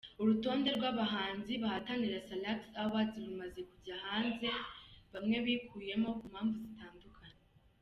Urutonde rw’abahanzi bahatanira Salax Awards rumaze kujya hanze bamwe bikuyemo ku mpamvu zitandukanye.